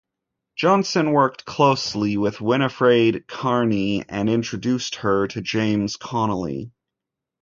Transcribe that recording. Johnson worked closely with Winifred Carney and introduced her to James Connolly.